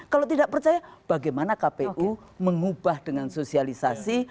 kalau tidak percaya bagaimana kpu mengubah dengan sosialisasi